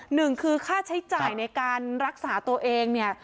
หนึ่งคือค่าใช้จ่ายในการรักษาตัวเองเนี่ย